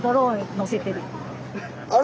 あれ？